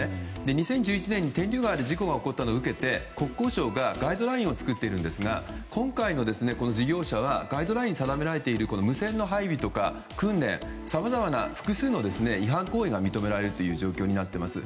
２０１１年に天竜川で事故が起きたのを受けて国交省がガイドラインを作っているんですが今回の事業者はガイドラインに定められている無線の配備とか訓練さまざまな複数の違反行為が認められているという状況になっています。